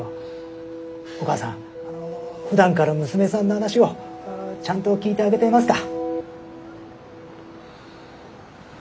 お母さんふだんから娘さんの話をちゃんと聞いてあげていますか？